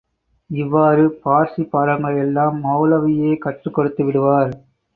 இவ்வாறு பார்சி பாடங்களை எல்ல்ாம் மெளலவியே கற்றுக் கொடுத்து விடுவார்.